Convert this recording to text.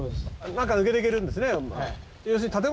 中抜けて行けるんですね。